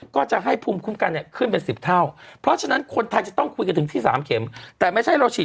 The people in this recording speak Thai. ก็จะให้ภูมิคุ้มกันเนี่ย